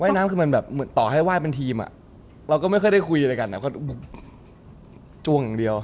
ว่ายน้ำคือมันแบบต่อให้ไหว้เป็นทีมอะเราก็ไม่เคยได้คุยด้วยกันอะก็จวงอย่างเดียว